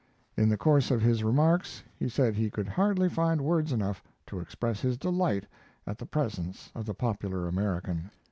In the course of his remarks he said he could hardly find words enough to express his delight at the presence of the popular American.